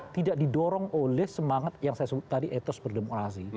tidak didorong oleh semangat yang saya sebut tadi etos berdemokrasi